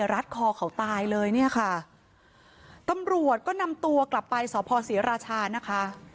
รัดคอเขาตายเลยเนี่ยค่ะตำรวจก็นำตัวกลับไปสพศรีราชานะคะ